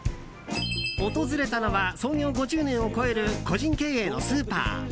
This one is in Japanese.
訪れたのは創業５０年を超える個人経営のスーパー。